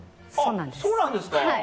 そうなんですはい。